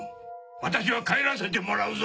私は帰らせてもらうぞ！